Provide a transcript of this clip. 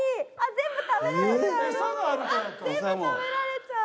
全部食べられちゃう。